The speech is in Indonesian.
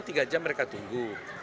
tiga jam mereka tunggu